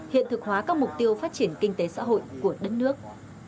hiện thực hóa các mục tiêu phát triển kinh tế xã hội của đất nước